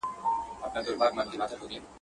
څوک دي د دین په نوم په کلي کي سنګسار کي خلک.